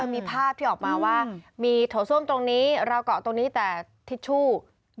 มีภาพที่ออกมาว่ามีโถส้มตรงนี้ราวกะตรงนี้แต่ทิชชู่อยู่นู้น